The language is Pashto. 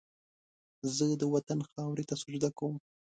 زه د وطن خاورې ته سجده کوم